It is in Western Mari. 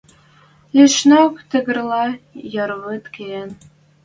Лишнок тӹгӹрлӓ йӓр вӹд киэн.